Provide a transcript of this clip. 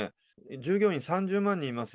従業員３０万人います。